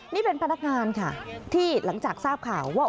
นี่เป็นพนักงานค่ะที่หลังจากทราบข่าวว่า